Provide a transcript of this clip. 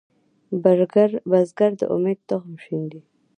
بزګر د امید تخم شیندي